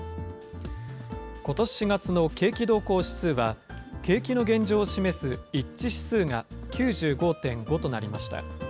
ことし４月の景気動向指数は、景気の現状を示す一致指数が９５．５となりました。